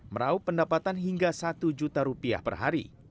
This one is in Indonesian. meraup pendapatan hingga satu juta rupiah per hari